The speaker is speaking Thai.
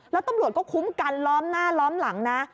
แล้วตำรวจก็คุ้มกันล้อมหน้าล้อมหลังนะ